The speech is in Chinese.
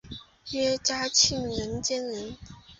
约嘉庆年间人。